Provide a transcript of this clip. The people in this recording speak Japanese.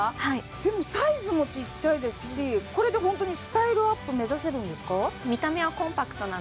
はいでもサイズもちっちゃいですしこれでホントにスタイルアップ目指せるんですか？